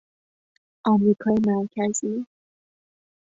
آمریکای مرکزی